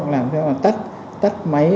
làm thế nào tắt máy